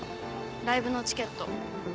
ライブのチケット。